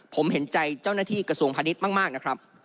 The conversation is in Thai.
ผมเห็นใจเจ้าหน้าที่กระทรวงพาณิชย์มากนะครับ